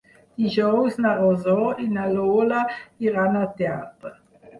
Dijous na Rosó i na Lola iran al teatre.